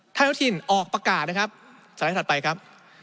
ท่านอนุญาตชีนชายบริกูลออกประกาศนะครับสถานที่ถัดไปครับ